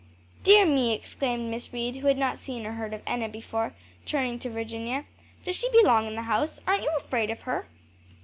"Dear me!" exclaimed Miss Reed, who had not seen or heard of Enna before, turning to Virginia, "does she belong in the house? aren't you afraid of her?"